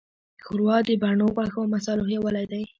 ښوروا د بڼو، غوښو، او مصالحو یووالی دی.